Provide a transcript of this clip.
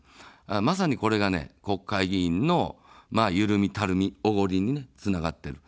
まさにこれが国会議員のゆるみ、たるみ、おごりにつながっている。